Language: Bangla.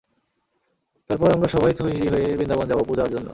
তারপর আমরা সবাই তৈরি হয়ে বৃন্দাবন যাবো, পূজা জন্য।